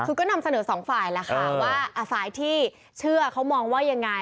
คือก็นำเสนอสองฝ่ายแหละค่ะว่าฝ่ายที่เชื่อเขามองว่ายังไง